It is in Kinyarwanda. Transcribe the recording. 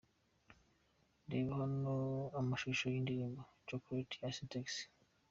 Reba ahano amashusho y'indirimbo Chocolate ya Sintex.